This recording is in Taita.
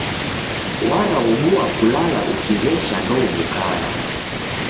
Waraobua kulala ukighesha ndouw'ukagha.